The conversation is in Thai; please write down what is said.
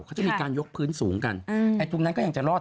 เขาจะมีการยกพื้นสูงกันไอ้ตรงนั้นก็ยังจะรอด